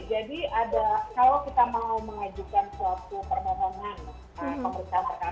jadi ada kalau kita mau mengajukan suatu permohonan pemerintahan terkarakter